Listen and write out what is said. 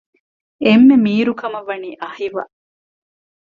އެންމެ މީރު ކަމަށް ވަނީ އަހިވައް